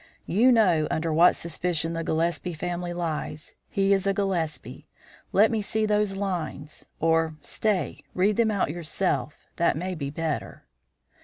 "You know under what suspicion the Gillespie family lies. He is a Gillespie; let me see those lines or, stay, read them out yourself that may be better."